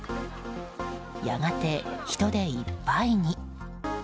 やがて、人でいっぱいに。